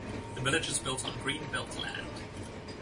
The village is built on green belt land.